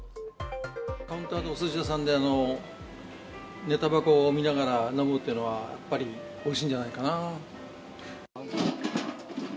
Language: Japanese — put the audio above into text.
カウンターでおすし屋さんで、ネタ箱を見ながら飲むっていうのは、やっぱりおいしいんじゃないかな。